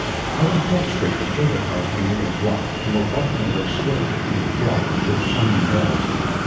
Out in Polk Street the cable cars were nearly blocked and were bunting a way slowly through the throng with clanging bells.